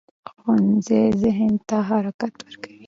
ښوونځی ذهن ته حرکت ورکوي